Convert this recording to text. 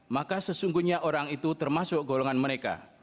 maka sesungguhnya orang itu termasuk golongan mereka